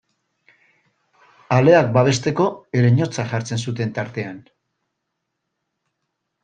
Aleak babesteko ereinotza jartzen zuten tartean.